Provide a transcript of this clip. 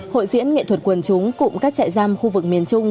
hội diễn nghệ thuật quần chúng cùng các chạy giam khu vực miền trung